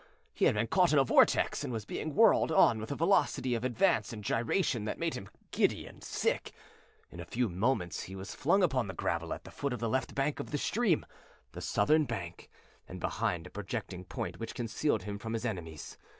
He had been caught in a vortex and was being whirled on with a velocity of advance and gyration that made him giddy and sick. In a few moments he was flung upon the gravel at the foot of the left bank of the stream the southern bank and behind a projecting point which concealed him from his enemies.